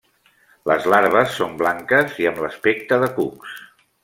Les larves són blanques i amb l'aspecte de cucs.